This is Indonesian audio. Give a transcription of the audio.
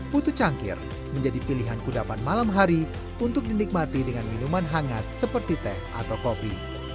putu cangkir menjadi pilihan kudapan malam hari untuk dinikmati dengan minuman hangat seperti teh atau kopi